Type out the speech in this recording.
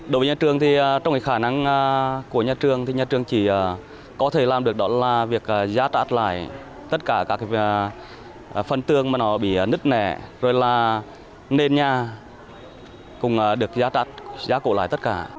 đối với nhà trường thì trong khả năng của nhà trường thì nhà trường chỉ có thể làm được đó là việc giá trả lại tất cả các phần tương mà nó bị nứt nẻ rồi là nền nhà cũng được giá trả lại tất cả